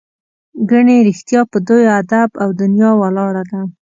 ګنې رښتیا په دوی ادب او دنیا ولاړه ده.